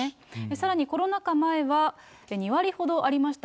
さらにコロナ禍前は、２割ほどありました